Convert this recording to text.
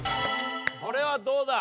これはどうだ？